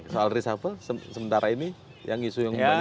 soal reshuffle sementara ini yang isu yang banyak